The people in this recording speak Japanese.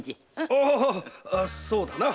あああそうだな。